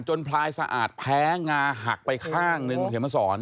จนพลายสะอาดแพ้งาหักไปข้างหนึ่งเห็นไหมสอน